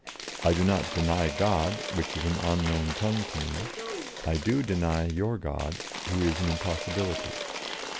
I do not deny 'God,' which is an unknown tongue to me; I do deny your God, who is an impossibility.